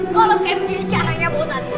kalau kayak begini caranya bosan